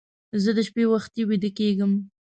زه د شپې وختي ویده کېږم